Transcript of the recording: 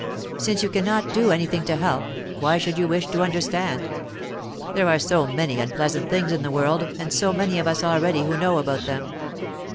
'Since you cannot do anything to help, why should you wish to understand? There are so many unpleasant things in the world, and so many of us already who know about them.